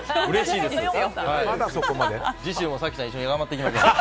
うれしいです。